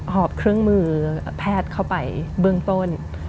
อบเครื่องมือแพทย์เข้าไปเบื้องต้น